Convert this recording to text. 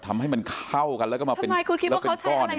ทำให้มันเข้ากันแล้วก็มาทำไมคุณคิดว่าเขาใช้อะไร